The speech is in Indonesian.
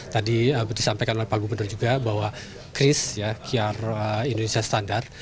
tadi disampaikan oleh pak gubernur juga bahwa kris ya qr indonesia standar